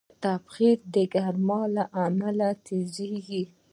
تبخیر د ګرمۍ له امله تېز کېږي.